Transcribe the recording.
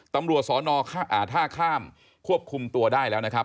ตำรวจสอนอท่าข้ามควบคุมตัวได้แล้วนะครับ